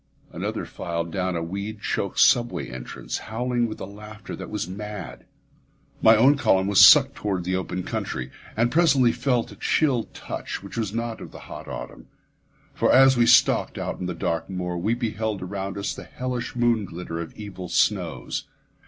Another filed down a weed choked subway entrance, howling with a laughter that was mad. My own column was sucked toward the open country, and presently felt a chill which was not of the hot autumn; for as we stalked out on the dark moor, we beheld around us the hellish moon glitter of evil snows.